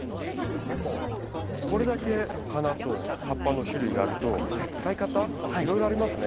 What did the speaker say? これだけ花と葉っぱの種類があると使い方いろいろありますね。